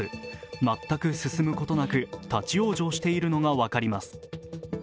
全く進むことなく立往生しているのが分かります。